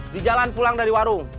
di jalan pulang dari warung